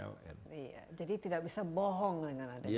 mohong dengan adanya